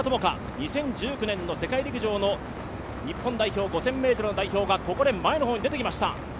２０１９年の世界陸上の５０００ｍの代表がここで前の方に出てきました。